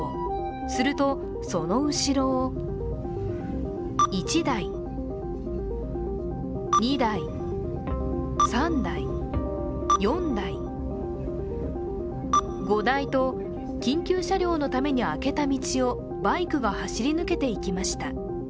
すると、その後ろを１台、２台、３台、４台、５台と緊急車両のためにあけた道をバイクが走り抜けていきました。